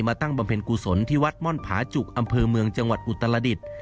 ตั้งบำเพ็ญกุศลที่วัดม่อนผาจุกอำเภอเมืองจังหวัดอุตรดิษฐ์